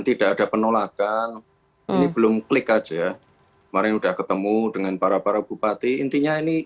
tidak ada penolakan ini belum klik aja kemarin udah ketemu dengan para para bupati intinya ini